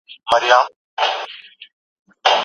د پوهاند کواساکي نظریات د نورو نظریاتو په پرتله مشخص نظر لري.